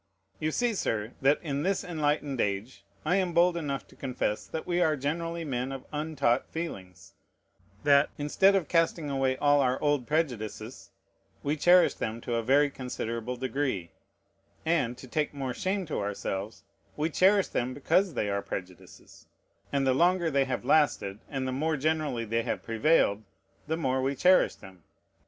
You see, Sir, that in this enlightened age I am bold enough to confess that we are generally men of untaught feelings: that, instead of casting away all our old prejudices, we cherish them to a very considerable degree; and, to take more shame to ourselves, we cherish them because they are prejudices; and the longer they have lasted, and the more generally they have prevailed, the more we cherish them.